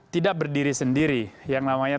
tidak berdiri sendiri yang namanya